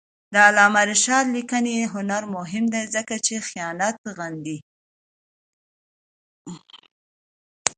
د علامه رشاد لیکنی هنر مهم دی ځکه چې خیانت غندي.